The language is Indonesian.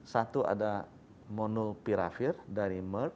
satu ada monopiravir dari merk